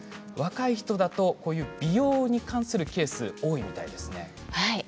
若い人だと、こういう美容に関するケース多いみたいですね。